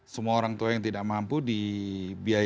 semua orang tua yang tidak mampu dibiayai